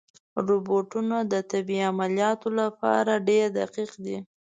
روبوټونه د طبي عملیاتو لپاره ډېر دقیق دي.